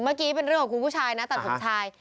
เมื่อกี้เป็นเรื่องของคุณผู้ชายนะตัดผมชาย